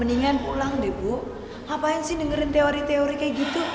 mendingan pulang deh bu ngapain sih dengerin teori teori kayak gitu